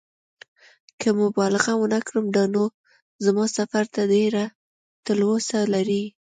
که مبالغه ونه کړم دا نو زما سفر ته ډېره تلوسه لري.